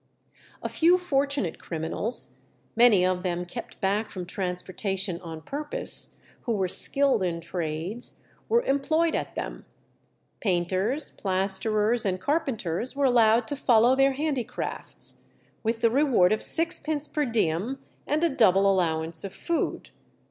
A few fortunate criminals, many of them kept back from transportation on purpose, who were skilled in trades, were employed at them. Painters, plasterers, and carpenters were allowed to follow their handicrafts, with the reward of sixpence per diem and a double allowance of food.